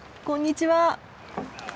こんにちは。